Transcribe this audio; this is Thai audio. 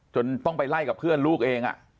จนต้องไปไล่กับเพื่อนลูกเอง